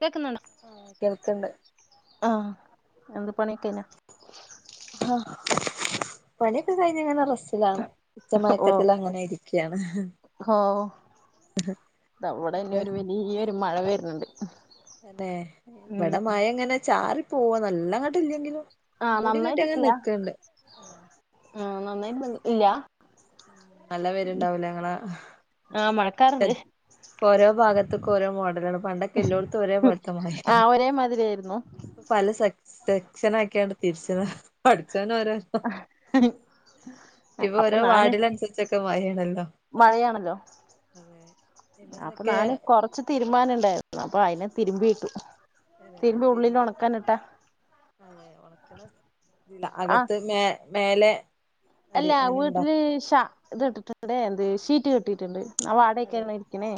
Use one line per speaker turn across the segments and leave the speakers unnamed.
കേക്കുന്നുണ്ടൊ?
ആഹ് കേൾക്ക്ണ്ട്
ആഹ് എന്ത് പണിക്കെ [unintelligible]
ആഹ് പണിക്കെ കഴിഞ്ഞ്ങ്ങനെ റസ്റ്റിലാണ് ഉച്ച
ഓ
മയക്കത്തിൽ അങ്ങനെ ഇരിക്കയാണ്
ഓ
[unintelligible]
ഈ ഒരു മഴ വര്ന്നുണ്ട്
അന്നെ ഇവിടെ മഴ എങ്ങനെ ചാറിപ്പോ നല്ലാങ്ങട്ട്ല്ലെങ്കിലും
ആഹ് നന്നായിട്ട് [unintelligible] നന്നായിട്ട് ഇല്ല
നല്ല പേരുണ്ടാവൂലേ ങ്ങളെ
ആഹ് മഴക്കാറ്ണ്ട്
ഓരോ ഭാഗത്ത്ക്കും ഓരോ മോഡലാണ് പണ്ടൊക്കെ എല്ലോട്ത്തും ഒരേ [unintelligible]
മതിരിയിരുന്നു
പല സെ സെക്ഷനക്കിയണ്ട് തിരിച്ചത പഠിച്ചോനരോ ഇപ്പൊ ഓരോ
[unintelligible]
വാർഡിനനുസരിച്ചൊക്കെ മഴേണല്ലോ
മഴയാണല്ലോ
അതെ
അപ്പൊ
പിന്നെന്തൊക്കെ
ഞാന് കൊറച്ച് തിരുമ്പാനുണ്ടായിര്ന്നു അപ്പൊ അതിനെ തിരുമ്പിയിട്ടു
അതെ
തിരുമ്പി ഉള്ളിൽ
തിരുമ്പ്
ഒണക്കാനിട്ടാ
[inaudible]
ആഹ്
അകത്ത് മേ മേലെ അടി
അല്ല
അങ്ങനെ ഉണ്ടോ
വീട്ടില് ഷ ഇത് ഇട്ടിട്ട്ണ്ട് എന്ത് ഷീറ്റ് കെട്ടിട്ടുണ്ട് [unintelligible]
അതെ
ക്കണ ഇരിക്കണേ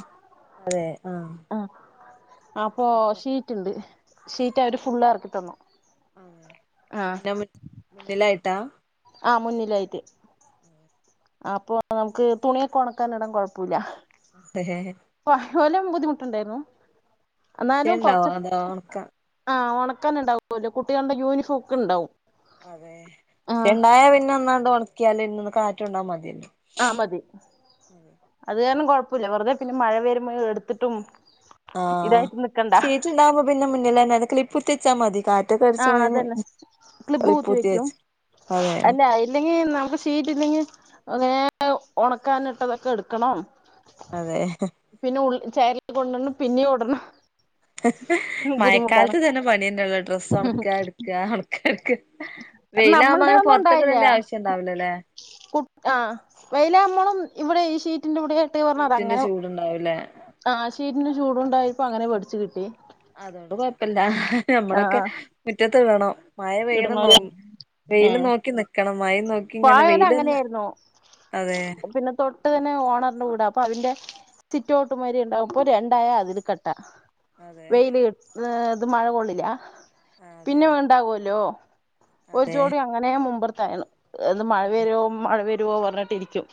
ആഹ് അപ്പൊ ഷിറ്റ്ണ്ട് ഷീറ്റ് അവര് ഫുള് എറക്കി തന്നു
അതെ അപ്പൊ
ആഹ്
പിന്നെ മുന്നിലായിട്ടാ
ആഹ് മുന്നിലയിട്ട് അപ്പൊ നമുക്ക് തുണിയൊക്കെ ഒണക്കാനിട കൊഴപ്പുല്ല
അതെ
പാലം ബുദ്ധിമുട്ടുണ്ടായിര്ന്നു
മിഷീൻ
ന്നാലും
ഉണ്ടാവോ
കൊറച്ച
അതോ ഒണക്ക
ആഹ് ഒണക്കാൻ ഉണ്ടാവല്ലോ കുട്ടികൾടെ യൂണിഫോമക്കെ ഇണ്ടാവും
അതെ പക്ഷെ ഇണ്ടായാ പിന്നെ ഒന്നാണ്ട് ഉണക്കിയല് ഇന്നൊന്ന് കാറ്റൊണ്ടാ മതിയല്ലേ
ആഹ് മതി അത് കാരണം കൊഴപ്പമില്ല വെറുതെ പിന്നെ മഴ വരുമ്പോ എടുത്തിട്ടും ഇതായിട്ട് നിക്കണ്ട
ച്ച് ണ്ടാവുമ്പൊ പിന്നെ മുന്നില മുന്നിലന്നെല്ലെ ക്ലി ത്തച്ചാ മതി കാറ്റ് ഒക്കെ
ആഹ്
അടച്ച്ണേന്
അതന്നെ ക്ലിബ് കുത്തി വെക്കും
ക്ലിപ്പുത്തിയച്ച്
അല്ല ഇല്ലെങ്കിൽ നമുക്ക് സീറ്റ് ഇല്ലെങ്കിൽ ഇങ്ങന ഒണക്കാനിട്ടതൊക്കെ എടുക്കണം
അതെ
പിന്നെ ഉള് ചേ കൊണ്ടുന്ന് പിന്നീ ഇടണം ബുദ്ധിമുട്ടാണ്
മഴക്കാലത്ത് ഇതന്നെ പണിയന്നൊള്ളു ഡ്രസ്സ് ഒണക്ക എടുക്ക ഒണക്ക എടുക്ക
അത്
വെയിലാകുമ്പം
നമ്മളുടെ
അങ്ങനെ
ഒന്നും
പൊറത്ത്ക്ക് ഇടെണ്ട
ഉണ്ടായില്ല
ആവശ്യം ഇണ്ടാവുലലേ.
കു ആ വെയിലാമ്പളും ഇവിടെ ഈ ഷീറ്റിന്റെ കൂടെ [unintelligible] പറഞ്ഞ
ഷീറ്റിന്റെ
അതങ്ങനെ
ചൂടുണ്ടാവൂലേ
ആ ശീറ്റിന് ചൂടുണ്ടായിപ്പോ അങ്ങനെ പടിച്ചു കിട്ടി.
അതോണ്ട് കൊഴപ്പില്ല.
ആഹ്
നമ്മളൊക്കെ
ആഹ്
മുറ്റത്ത് ഇടണം. മഴ പെയ്യ്ണ നോ
ഇടുന്നോലെ
വെയില്
ഏഹ്
നോക്കി നിക്കണം. മയിം നോക്കി ഇങ്ങനെ
പായോന്
വെയില് ഇന്ന്
അങ്ങനെയായിരുന്നു
അതെ.
ഇട്ട് തന്നെ ഓണറിന് കൂടെ. അപ്പൊ അയ്ന്റെ സിറ്റ് ഔട്ട് മാരി ഉണ്ടാവ് ഇപ്പം രണ്ടായ അയ്ല് കെട്ടാ.
അതെ
വെയ്ൽ ഇത് മഴ കൊള്ളില്ല.
അതെ
പിന്നെ ഉണ്ടാകോലോ. ഒരു
അതെ
ജോടി അങ്ങനെ മുമ്പറ്ത്തായിരുന്നു. അത് മഴ
അതെ
വരോ മഴ വരോ പറഞ്ഞിട്ടിരിക്കും.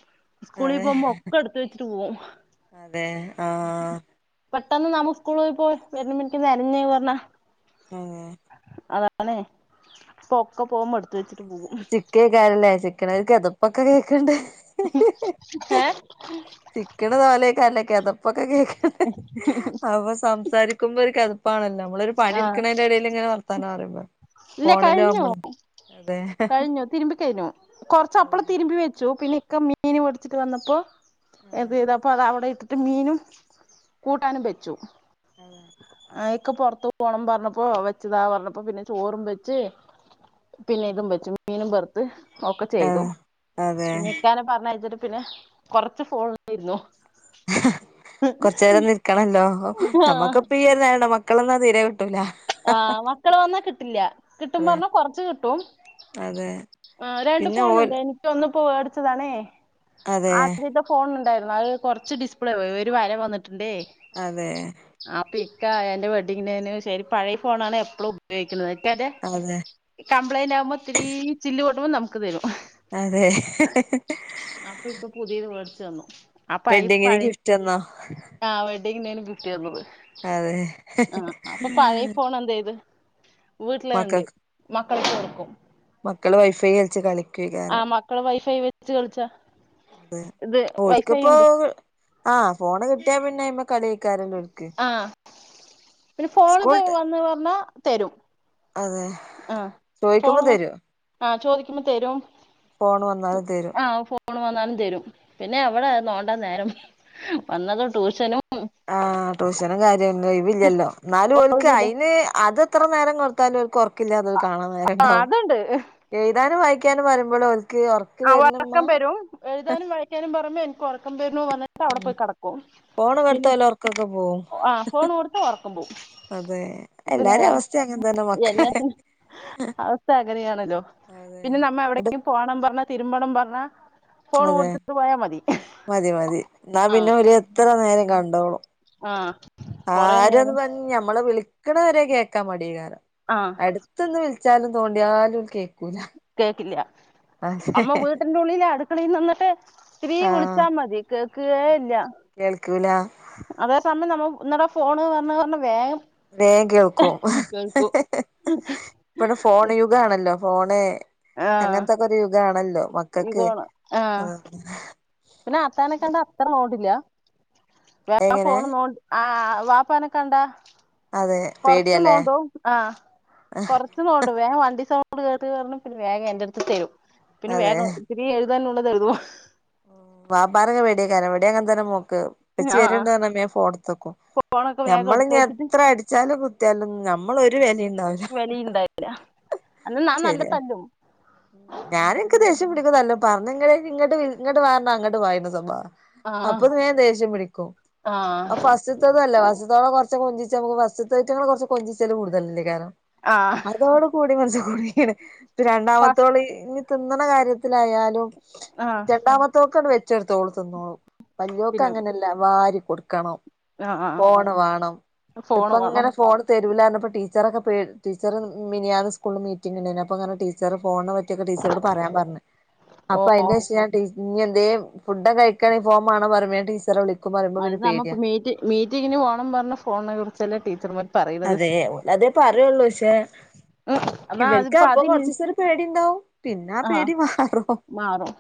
സ്കൂളി
അതെ
പോവുമ്പോൾ ഒക്കെ എടുത്ത് വെച്ചിട്ട് പോവും.
അതെ ആഹ്
പെട്ടെന്ന് നമ് സ്കൂള് പോവു അര മിൻറ്റ് [unintelligible] [unintelligible]
ഏഹ്
അതാണ്. ഇപ്പ ഒക്കെ പോകുമ്പ ഇട്ത്ത് വെച്ചിട്ട് പോകും.
ചിക്കേ കാരലെ. ചിക്ക്ണെ കെതെപ്പൊക്കെ കേക്ക്ണ്ട്.
ഏഹ്
ചിക്ക്ണ് സൊഹലൊക്കാരലെ. കെതെപ്പൊക്കെ കേക്ക അപ്പൊ സംസാരിക്കുമ്പോ ഒരു കെത ഇപ്പാണല്ലോ. നമ്മളൊരു പണി
ആഹ്
ഇരിക്ക്ണേന്റെ എടേല് ഇങ്ങനെ വർത്താനം പറിമ്പള
ഇല്ല
ഫോണിലാവുമ്പള്. അതെ
തിരുമ്പിക്കഴിഞ്ഞു. കൊറച്ച്
അതെ
അപ്പളം തിരുമ്പി വെച്ചു. പിന്നെ ഇക്ക മീന് പടിച്ചിട്ട് വന്നപ്പൊ.
അതെ
എന്ത് ചെയ്ത അപ്പൊ അത് അവിടെ ഇട്ടിട്ട് മീനും കൂട്ടാനും വെച്ചു.
അതെ
ആ ഇക്ക പൊറത്ത് പോണം പറഞ്ഞപ്പൊ വെച്ചതാ പറഞ്ഞപ്പോ പിന്നെ ചോറും വെച്ച്. പിന്നെ ഇതും വെച്ചു. മീനും പൊറ്ത്ത് ഒക്കെ ചെയ്തു.
ആഹ് അതെ
പിന്നെ ഇക്കാനെ പറഞ്ഞഴച്ചിട്ട് പിന്നെ കൊറച്ച് ഫോൺ ഇരുന്നു.
കൊറ്ച്ചേരം നിക്കണല്ലോ.
ആഹ്
നമ്മക്ക് ഇപ്പ ഈ ഒര് നേ മക്കളെന്നാ തീരെ കിട്ടൂല.
ആഹ് മക്കള് വന്നാ കിട്ടില്ല. കിട്ടും
അതെ
പറ്ഞ്ഞാ കൊറച്ച് കിട്ടും.
അതെ
ആ രണ്ട്
പിന്നെ ഓൽ
ഫോണുണ്ട്. എനിക്ക് ഒന്ന് ഇപോ മേടിച്ചതാണേ
അതെ
ആദ്യ ഫോൺ ഇണ്ടായിരുന്നു. അത് കൊറച്ച് ഡിസ്പ്ലേ പോയി. ഒരു വര വന്നിട്ടുണ്ടേ.
അതെ
ആപ്പ ഇക്കാ എന്റെ വെഡിങ് ആനിവേ ശരി. അയ്ന് പഴയ ഫോണാണ് എപ്പളും. ഉപയോഗിക്കുണത്. മറ്റെ അതെ കംപ്ലൈന്റ് ആകുമ്പം ഒത്തിരീ ചില്ല് പ്പൊട്ടുമ്പം നമുക്ക് തരും.
അതെ
അപ്പൊ ഇപ്പൊ പുതിയത് മേടിച്ച് തന്നു. അപ്പൊ
വെഡ്ഡിങ്ങിന്
പഴെ
ഗിഫ്റ്റ് തന്നോ
ആ വെഡിനും ഫിഫ്റ്റി [unintelligible] തന്നത്
അതെ
പൊണം ചെയ്ത്. വീട്ടില ഇണ്ട്. മക്കൾക്ക് കൊടുക്കും.
മക്കളെ വൈഫൈ കളിച്ച കളി
ആഹ് മക്കളെ വൈഫൈ വെച്ച് കളിച്ച.
അതെ.
ഇത് വൈഫൈ
ഓൽക്കിപ്പോ
ഉണ്ട്
ആഹ് ഫോണ് കിട്ട്യാ പിന്നെ അയ്മെ കള്യേക്കാരെലെ
ആ പിന്നെ ഫോണ്ക്ക്
സ്കൂൾട്ട്
വന്ന് പറ്ഞ്ഞാ തരും.
അതെ
ആഹ് ഫോൺ
ചോയിക്കുമ്പോ തരും
ആഹ് ചോയ്ക്കുമ്പ തരും.
ഫോണ് വന്നാല് തരും
ആഹ് [unintelligible] മൂണ് വന്നാലും തരും പിന്നെ അവിടെ നോണ്ട നേരം വന്നത് ട്യൂഷനും
ആ ട്യൂഷനും കാര്യംന്നും ഒഴവില്ലല്ലോ എന്നാലും ഒക്ക്
ഒഴിവില്ല
അതിന് അത് എത്ര നേരം കൊ ടുത്താലുംക്ക് ഉറക്കില്ലാതെ കാണാ
ആഹ്
നേരണ്ടാവും
അതുണ്ട്
എഴുതാനും വായിക്കാനും വരുമ്പോഴ ഓല്ക്ക് ഉർ
ആ ഉറക്കം വരും എഴുതാനും വായിക്കാനും പറുമ്പോ എനിക്ക് ഉറക്കം വരും വന്നിട്ട് അവിടെ
ഉം
പോയി കടക്കും
ഫോണ്
പിന്നെ
കൊടുത്താല് ഒർക്കൊക്കെ പോവും
ആഹ് ഫോൺ കൊടുത്തഉറക്കംമ്പോവും
അതെ എല്ലാരും അവസ്ഥ അങ്ങെ തന്നെ മക്കളെ
എല്ലാത്തിനും അവസ്ഥ അങ്ങനെയാണല്ലോ
അതെ
പിന്നെ നമ്മ
എട്
എവിടെങ്കും പോണം പറഞ്ഞാ തിരുമ്പണം പറഞ്ഞാ ഫോൺ
അതെ
കൊടുത്തിട്ട് പോയാ മതി
മതി മതി എന്നാ പിന്നെ
ആഹ്
ഓല് എത്ര നേരം കണ്ടോളും
ആഹ് കൊറെ
ആരന്ന്
നേരം
പറഞ്ഞ് ഞമ്മളെ വിളിക്കണവരെ കേക്കാൻ മടകാരം
ആഹ്
അടുത്തൊന്ന് വിളിച്ചാലും തോണ്ടിയാലും കേക്കൂല
കേക്കില്ല
അതെ
അമ്മ വീട്ടിന്റെ ഉള്ളില് അടുക്കളയിന്ന് നിന്നിട്ട് ഇത്തിരീ വിളിച്ചാ മതി കേക്കു കേ ഇല്ല
കേൾക്കു ല
അതേ സമയം നമ്മ ഇന്നട ഫോണ് പറ പറഞ്ഞ വേഗം
വേഗം കേൾക്കും
കേൾക്കും
ഇപ്പടെ ഫോൺ യുഗമാണല്ലോ ഫോണ്
ആഹ്
അങ്ങനത്തെക്കെ ഒരു യുഗമാണല്ലോ മക്കൾക്ക് ആഹ് അങ്ങനെ
പിന്നെ അത്താനെ കണ്ട അത്ര നോണ്ടില്ല വേ
എങ്ങനെ
ഫോൺ നോ ആ ഹ് വാപ്പനെ കണ്ട
അതെ
കൊറച്ച്
പേടിയല്ലേ
നോണ്ട ആഹ് കൊറ ഇന്ന് പോവണ്ട വേഗം വണ്ടിക്കാകത്ത് കേയറി വന്ന് പിന്നെ വേഗം എന്റെഅടുത്ത് തരും പിന്നെ
അതെ
വേഗം ഇത്തിരി എഴുതാൻ ഉള്ളതെഎഴുതു
വാപ്പാനെങ്ങെ പെടിയായ് ക്കാരം ഇവടെ അങ്ങനെ തന്നെ മോക്ക് ഇപ്പച്ചി
ആഹ്
വരുണ്ട്ന്ന് പറഞ്ഞ വേം ഫോൺഎടുത്ത് വെക്കും
ഫോണൊക്കെ വേഗം
ഞമ്മള്
എടുത്ത്
ഇനി
വെച്ചിട്ട്
എത്രഅടി ചാലുംകുത്തിയാലും ഞമ്മള് ഒരു വിലയുണ്ടാവ
വെലണ്ടാവില്ല അന്ന നാ നല്ലതല്ലും
ഞാനഎക്ക് ദേഷ്യം പിടിക്കുന്നല്ലോ പറഞ്ഞ ഇങ്ങ ഇങ്ങട്ട് ഇങ്ങോട്ട് വാരണം അങ്ങോട്ട് വാ എന്റെ സ്വഭാ
ആഹ്
അപ്പൊ ഞാൻ ദേഷ്യം പിടിക്കും അപ്പൊ
ആഹ്
പസി വസ്തല്ല ഫസ്ത്തോളം കൊറച്ച് കൊഞ്ചിച്ച് ഫസ് റ്റങ്ങൾ കൊറച്ച് കൊഞ്ചിച്ചാലുണ്ട് കൂടുതലല്ലേ കാരം
ആഹ്
അതോട് കൂടി മനസ കൂടാണ് ഇ രണ്ടാമത്തോള ഇനി തിന്നണ കാര്യത്തിലായാലും
ആഹ്
രണ്ടാമത്തൊക്ക്‌ അത് വെച്ചെടുത്തോള് തിന്നോളൂ വല്ല്യോക്ക്
തിന്നും
അങ്ങനെ ല്ലാ വരി കൊടുക്കണം
ആഹ് ആഹ്
ഫോണ് വാണം
ഫോണ്
ഇപ്പ
വേണം
ഇങ്ങനെ ഫോൺ തരുല്ലാന്ന്ഇപ്പോ ടീച്ചറൊക്കെ പേടിച്ച് ടീച്ചറ് മിനിയാന്ന് സ്കൂളില് മീറ്റിംഗ് ഉണ്ടായി അപ്പ അങ്ങനെ ടീച്ചറ് ഫോൺ ചെന്ന് ടീച്ചറോട് പറയാൻപറഞ്ഞു
ഓ
അപ്പൊ
ഓ
അതിന്റെ ശേഷം ഞ ടീ ഇനി എന്തേ ഫുഡ് കഴിക്കണ പോണ് വേണന്നു പറഞ്ഞ ഞാൻ ടീച്ചറെ വിളി
അത് നമ്മക്ക്‌ മീറ്റ് മീറ്റിങ്ങിന് പോണംന്ന് പറഞ് ഫോണിനെ കുറിച്ചല്ലേ ടീച്ചറ് മാ
അതെ അതെ പറയുള്ളൂ പക്ഷേ
ഉം എന്നാ
ഇവർക്ക്
അതിപ്പോ
അപ്പൊ
അതിൽ
കൊറച്ച് ദിവസര പേടി ഉണ്ടാവും പിന്നെ ആ
ആഹ്
പേടി മാറും
മാറും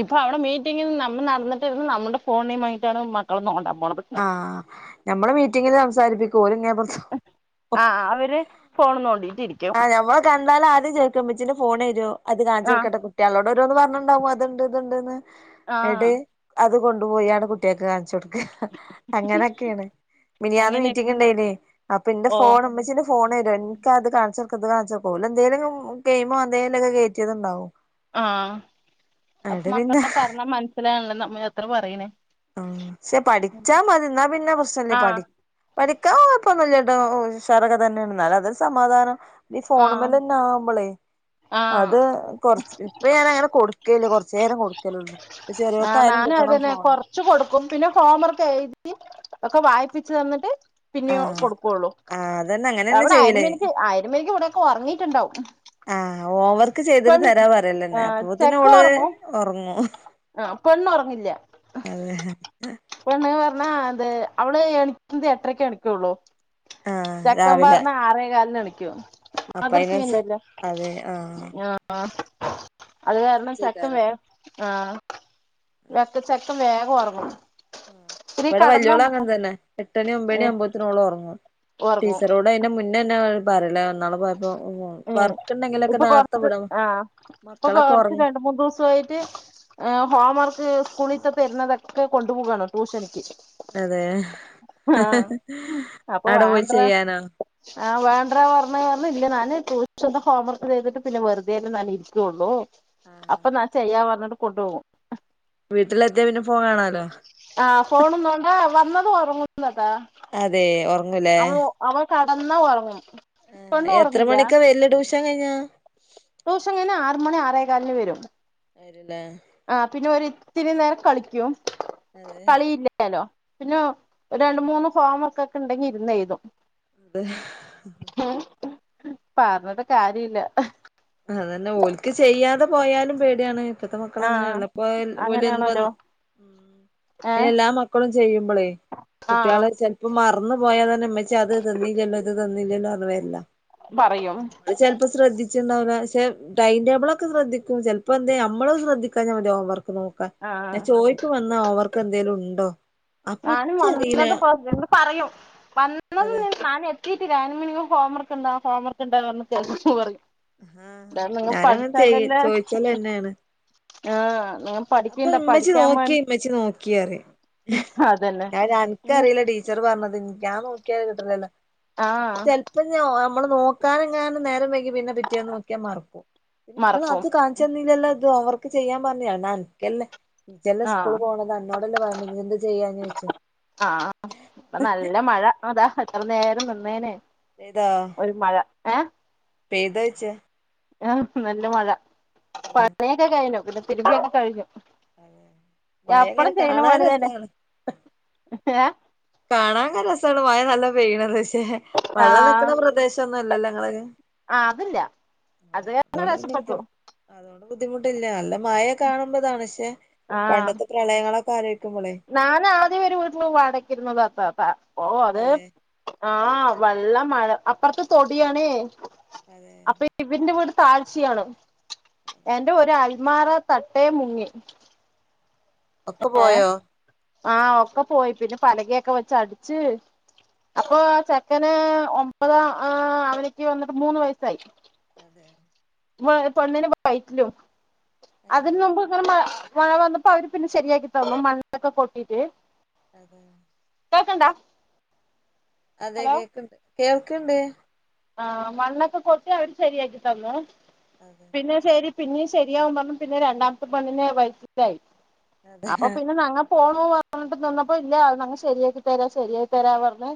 ഇപ്പൊ അവിടെ മീറ്റിംഗ് നമ്മൾ നടന്നിട്ടിന്ന് നമ്മുടെ ഫോണിമായിട്ടാണ് മക്കള് നോണ്ട പോണത്
ആഹ് ഞമ്മള് മീറ്റിങ്ങില് സംസാരിപ്പിക്കുംഓര് ഇങ്ങേപ്പറത്തു
ആഹ് അവര് ഫോണ് തോണ്ടിട്ടിരിക്കും
ആ ഞമ്മള് കണ്ടാലആദ്യം ചോക്കും ഉമ്മച്ചിടെ ഫോണ് തരോ അത് കാണിച്ച്
ആഹ്
കൊടുക്കട്ടെന്ന് കുട്ട്യാആളോട് ഓരോന്ന് പറഞ്ഞുണ്ടാവും അത് ഇണ്ട് ഇതുണ്ട്ന്ന്
ആഹ്
എടെ അത് കൊണ്ടുപോയി ആടെ കുട്ട്യാക്ക്‌ കാണിച്ചൊട്ക്കാൻ അങ്ങനൊക്കെണ് മിനിയാന്ന്
അങ്ങനെ
മീറ്റിംഗ്ണ്ടായിന് അപ്പൊ ഇന്റെ
ഓ
ഫോണ് ഇമ്മച്ചിന്റെ ഫോ ഫോണ് രൺ ൻക്കത് കാൺച്ചൊട്ക്കാ ഇത് കാൺച്ചൊട്ക്കാ ‌ ഓലെന്തേലും ഗെയിമോ എന്തേലൊക്കെ കേറ്റ്യേത്ണ്ടാവും
ആഹ് അപ്പ മക്കള പറഞ്ഞാ മൻസ്സിലാൺല്ല നമ്മ എത്ര പറയിണ്
ആഹ് ശെ പഠിച്ചാ മതി ന്നാ പിന്നെ പ്രശ്നല്ലേ
ആഹ്
പഠി പഠിക്കാൻ കൊഴപ്പൊന്നുല്ലട്ടോ ഉഷാറൊക്കെത്തെന്നേണ് ന്നാലതൊര് സമാധാനം ഈ
ആഹ്
ഫോണ്മ്മെലെന്നാവുമ്പളെ
ആഹ്
അത് കൊർച്ച് ഇപ്പ ഞാനങ്ങനെ കൊടുക്കല്ല കൊർച്ചേരം കൊടുക്കലുള്ളു പ്പ ചെറിയോക്കായാലും കിട്ടണം ഫോണ്
ച്ച് കൊടുക്കും പിന്നെ ഹോംവർക്ക് എഴുതി ഒക്കെ വായിപ്പിച്ച്തന്ന്ട്ട് പിന്യോ
ആഹ്
കൊടുക്കൊള്ളു
ആഹ് അതന്നെ അങ്ങനെന്നെ
അവടെ
ചെയ്യല്
[unintelligible] ഇവിടെയൊക്കെ ഒറങ്ങിയിറ്റ്ണ്ടാവും
ആഹ് ഹോം വർക്ക് ചെയ്തിട്ട് തെരാ പറയലെന്നെ
ആഹ് ചെക്ക
അപ്പോത്തിനോള്
ഉറങ്ങും
ഒർങ്ങും
ആഹ് പെണ്ണോർങ്ങില്ല
അതെ
പെണ്ണ് പർഞ്ഞ അത് അവള് എണിക്കുന്നത് എട്ടരക്കെ എണിക്കൊള്ളു
ആഹ്
ചെക്കം
രാവിലെ
പർഞ്ഞ ആറേ കാലിന് എണിക്കു
അപ്പ അയിനനുസ
മദർസില്ലല്ലോ ആഹ് ആഹ്
അപ്പ
അത് കാരണം
അയിനനുസരിച്ചേക്കാരം
ചെക്കൻ വേം ആഹ് വ്ട്ത്തെ ചെക്കൻ വേഗം ഒറങ്ങും
ഇവടെ വെല്യോളും അങ്ങൻത്തെന്നെ എട്ടണി ഒമ്പണി
ഏഹ്
ആമ്പത്തിന് ഓളൊർങ്ങും
ഉറങ്ങും
ടീച്ചറോട് ഇപ്പയ്ന്റെ മുന്നെന്നണ്ട് പറല ഇന്നാള് ‌ പോയപ്പോ
ഉം
വർക്ക്ണ്ടെങ്കിലൊക്കെ
ഇപ്പൊ
നേർത്തെ
കൊറച്ച്
വിടും
ആഹ് ഇപ്പൊ
മക്കളൊക്കെ
[unintelligible]
ഒറങ്ങും
രണ്ട്‌ മൂന്ന് ദിവസായിട്ട് ഏ ഹോം വർക്ക് സ്കൂളിത്തെ തെര്ന്നതൊക്കെ കൊണ്ടുപോകാണ് ട്യൂഷനിക്ക്
അതെ
ആഹ് അപ്പൊ
അടെ പോയി
വേണ്ട്രാ
ചെയ്യാനോ
ആഹ് വേണ്ടറ പർ [unintelligible] പർഞ് ഇല്ല ഞാന് ടൂഷന്റെ ഹോം വർക്ക് ചെയ്തിട്ട് പിന്നെ വെറ്തേ നാനി രിക്കൊള്ളൂ
ആഹ്
അപ്പൊ നാൻ ചെയ്യാ പർഞ്ട്ട് കൊണ്ടോകും
വീട്ടിലെത്യാ പിന്നെ ഫോണ് കാണാലോ
ആഹ് ഫോണും വാണ്ട വന്നതും ഒറങ്ങുന്നതാ
അതെ ഒർങ്ങും ലേ
അവൻ കടന്നാ ഒർങ്ങും
ആഹ് എത്ര മണിക്കാ വെര്ല് ട്യൂഷൻ കയ്ഞ്ഞ
ട്യൂഷൻ കയ്ഞ്ഞ ആറ് മണി ആറേ കാലിന് വെരും
വെരും ലേ
ആഹ് പിന്നെ ഒരിത്തിരി നേരം കളിക്കും
അതെ
കളിയില്ല ല്ലാലോ പിന്നെ രണ്ട്മൂന്ന് ഹോം വർക്കൊക്കെ ണ്ടെങ്കി എയ്തും
[unintelligible]
ഉം പർഞ്ട്ട് കാര്യല്ല
അതെന്നെ ഓൽക്ക് ചെയ്യാതെ പോയാലും പേടിയാണ് ഇപ്പത്തെ മക്കൾ
ആഹ്
അങ്ങനെണല്ലോ ഇപ്പാ ഓലെന്ത്‌
അങ്ങനെയാണല്ലോ
വന്ന്
ഏഹ്
എല്ലാ മക്കളും ചെയ്യുമ്പളേ
ആഹ്
കുട്ട്യാളെ ചെ പ്പൊ മർന്ന് പോയാതെന്നെ മ്മച്ചി അത് തന്നില്ലല്ലോ ഇത് തന്നില്ലല്ലോ ന്ന് പർഞ് വെര്ല
പറയും
അത് ചെൽപ്പം ശ്രദ്ധിച്ച റ്റ്ണ്ടാവൂല പക്ഷെ ടൈം ടേബ്ളൊക്കെ ശ്രദ്ധിക്കും ചെൽപ്പോ എന്തേ നമ്മൾ ശ്രദ്ധിക്കാഞ മതി ഹോംവർക്ക് നോ പ്പ ഞ
ആഹ്
ചോയ്ക്കും വന്നാ ഓവർക്ക് എന്തേലും ഉണ്ടോ. അപ്പൊ
ഞാനും
ഇച്ചറിയില്ല
വന്നത് പ പറയും വന്നത്
അതെ
നിൻ ഞ്ഞാൻ കീറ്റില അയ്ന് മുന്ന് ഞ്ഞാ ഹോംവർക്ക്ണ്ടാ ഹോംവർക്ക്ണ്ടോന്ന് പറഞ്ഞ് ചെൽപ്പ. [unintelligible]
ആഹ്
ന്താ നിങ്ങ
ഞാനങ്ങനെ ചെയ്യ
പഠിച്ചാലല്ലേ
ചോയിച്ചലെന്നെയാണ്
ആഹ്. പഠിക്ക്ണ്ടാ പഠിക്കാൻ മ
ച് നോക്കിയറിയും
അതന്നെ
ഞാൻ പിന്നെ അൻക്ക് അറില ടീ ച്ചറ് പർഞ്ഞത് ഞാൻ നോക്കിയല് കിട്ടലല്ലോ
ആഹ്
ചെൽ ഇപ്പഞ്ഞൊ നമ്മള് നോക്കാനെങ്ങാനും നേരം വൈകി പിന്നെ പിറ്റേന്ന് നോക്കിയ മറക്കും ങ്ങളത്
മറക്കും
കാ ച്ചന്നില്ലല്ലോ ഇത് ഓവർക്ക് ചെയ്യാൻ പർഞ് എടാ അൻക്കല്ലെ. ഇജല്ലേ
ആഹ്
സ്കൂള് പോണത് അന്നോടല്ലേ പറഞ്ഞു പിന്നെന്തെ ചെയ്യാന്ന് ചോയിച്ചു.
ആഹ് ഇപ്പൊ നല്ല മഴ അതാ എത്ര നേരം നിന്നേനെ.
ഇതോ.
ഒരു മഴ ഏഹ്.
പെയ്തോയ്ച്ച.
ആഹ് നല്ല മഴ പണിയൊക്കെ കഴിഞ്ഞു പിന്നെ തിരുമ്പിയൊക്കെ കഴിഞ്ഞു.
മഴ ഇങ്ങനെ
എപ്പളും ചെയ്യ്ണ
കാണാൻ
പണിതന്നെ
രസാണ്
ഏഹ്.
കാണാൻ ക്കെ രസാണ് മയ നല്ല പെയ്യണത് പക്ഷേ വെള്ളം
ആഹ്
നിക്കുന്ന പ്രദേശൊന്നുല്ലല്ലോ നിങ്ങളത്.
ആഹ് അതില്ല അത് കാരണം
പിന്നെ ബുദ്ധി
രക്ഷപ്പെട്ടു.
അതുകൊണ്ട് ബുദ്ധിമുട്ടില്ല നല്ല മയ കാണുമ്പതാണ് പക്ഷെ പണ്ടത്തെ. പ്രളയങ്ങളൊക്കെ ആലോയ്ക്കുമ്പളേ.
ഞാന് ആദ്യം ഒരു വീട്ടന്ന് വാടകക്കിരുന്നത താതാ ഓ അത്.
അതെ
ആഹ് വള്ള മഴ അപ്പർത്ത് തൊടിയാണേ
അതെ
അപ്പയി ഇവിന്റെ വീട് താഴ്ച്ചയാണ് എന്റെ ഒരു അൽമാറ തട്ടേ മുങ്ങി.
ഒക്കെ
ഏഹ്
പോയോ
ആഹ് ഒക്കെ പോയി പിന്നെ പലകയൊക്കെ വെച് അട്ച്ച്. അപ്പൊ ചെക്കന് ഒമ്പതാം ആ അവന്ക്ക് വന്നിട്ട് മൂന്ന് വയസായി.
അതെ.
വെ പെണ്ണിന് വയറ്റിലും
ഏ
അതിന് നമ്മ്ക്ക് ഇങ്ങനെ മ മഴ വന്ന്. അപ്പൊ അവര് പിന്നെ ശരിയാക്കി തന്നു മണ്ണൊക്കെ കൊട്ടിട്ട്.
അതെ.
കേക്ക്ണ്ടാ.
അതെ കേക്ക്ണ്ട് കേൾക്ക്ണ്ട്.
ആഹ് മണ്ണൊക്കെ കൊട്ടി അവര് ശരിയാക്കി തന്നു
അതെ
പിന്നെ ശരി. പിന്നി ശര്യാവും പർഞ്ഞ് പിന്നെ രണ്ടാമത്തെ പെണ്ണിനെ വയറ്റത്തായി
അതെ
അപ്പൊ പിന്നെ ന്നങ്ങ. പോണു പർഞ്ഞിട്ട് നിന്നപ്പോ ഇല്ല ഞങ്ങ ശരിയാക്കിത്തര ശരിയാക്കിതരാ പർഞ്.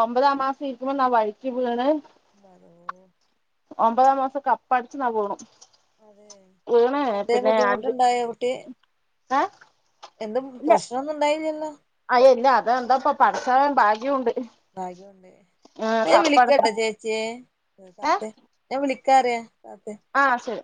ഒമ്പതാം മാസം ഇരിക്കുമ്പൊ ഞാൻ വഴിക്കി വീണ്.
ഹലോ.
ഒമ്പതാം മാസം കപ്പ അടിച്ചു ഞാൻ വീണു.
അതെ
വീണ്
എന്തേം
പിന്നെ അഞ്ച്
ബുദ്ധിമുട്ട്ണ്ടായൊ കുട്ടി.
ഏ
എന്തും പ്രശ്നൊന്നും ഉണ്ടായില്ലല്ലോ.
അയെല്ല അത് എന്താ ഇപ്പ പടച്ചോൻ ഭാഗ്യു ഉണ്ട്.
ഭാഗ്യണ്ട് ഇന്ന ഞാൻ വിളിക്കട്ടൊ ചേച്ചിയേ. ഞാൻ വിളിക്കാറ്യ.
ആഹ് ശരി.